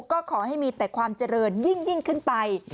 ก็ขอให้มีแต่ความเจริญยิ่งขึ้นไป